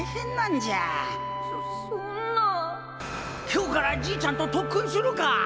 今日からじいちゃんと特訓するか！